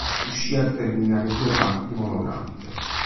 Riuscì a terminare due parti monografiche.